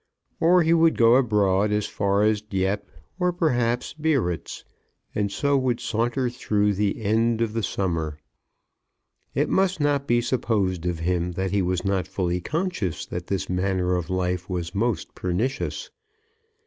Or he would go abroad as far as Dieppe, or perhaps Biarritz, and so would saunter through the end of the summer. It must not be supposed of him that he was not fully conscious that this manner of life was most pernicious.